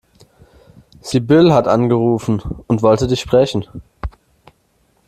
Sibylle hat angerufen und wollte dich sprechen.